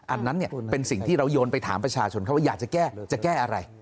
อันนั้นเป็นสิ่งที่เราโยนไปถามประชาชนเขาว่าอยากจะแก้จะแก้อะไร